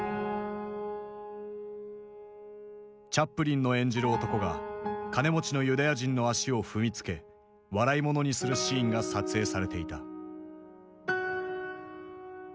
チャップリンの演じる男が金持ちのユダヤ人の足を踏みつけ笑いものにするシーンが撮影されていた。